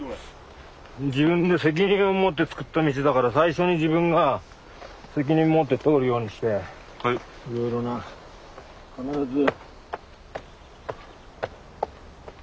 自分で責任を持って作った道だから最初に自分が責任持って通るようにしていろいろな必ず。